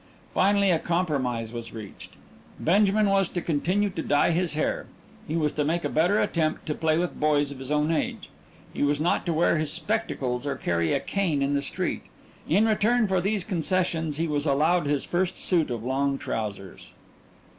Finally a compromise was reached. Benjamin was to continue to dye his hair. He was to make a better attempt to play with boys of his own age. He was not to wear his spectacles or carry a cane in the street. In return for these concessions he was allowed his first suit of long trousers....